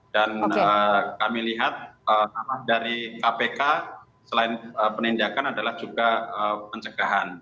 kami lihat arah dari kpk selain penindakan adalah juga pencegahan